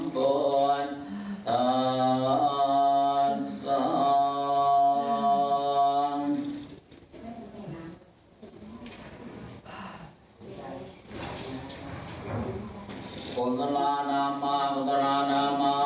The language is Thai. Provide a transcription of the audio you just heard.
มีปุ่นล้านักมากก็จะร่างเผลอ